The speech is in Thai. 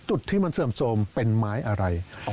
จุดที่มันเสื่อมโทรมเป็นไม้อะไร